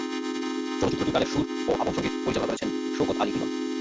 চলচ্চিত্রটির গানের সুর ও আবহ সঙ্গীত পরিচালনা করেছেন শওকত আলী ইমন।